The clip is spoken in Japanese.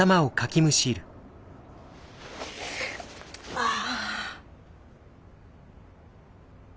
ああ。